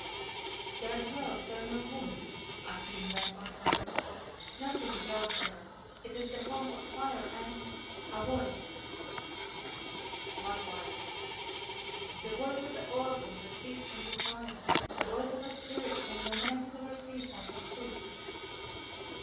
"There dwells there no woman," Atene went on hurriedly, "nothing dwells there. It is the home of fire and a Voice." "What voice?" "The Voice of the Oracle that speaks from the fire. The Voice of a Spirit whom no man has ever seen, or shall see."